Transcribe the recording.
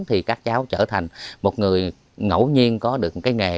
thì các cháu trở thành một người ngẫu nhiên có được cái nghề